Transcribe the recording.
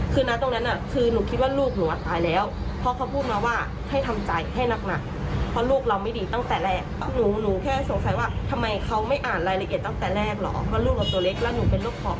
เพราะลูกหนูตัวเล็กและหนูเป็นลูกพ่อ